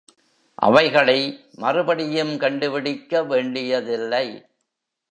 அவைகளை மறுபடியும் கண்டுபிடிக்க வேண்டியதில்லை.